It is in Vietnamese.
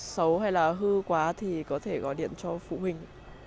xấu hay là hư quá thì có thể gọi điện cho phụ huynh